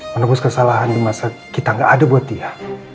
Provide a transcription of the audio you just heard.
menembus kesalahan di masa kita enggak ada buat dia